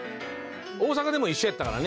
大阪でも一緒やったからね。